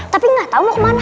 tapi nggak tahu mau ke mana